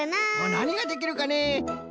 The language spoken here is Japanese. なにができるかねえ？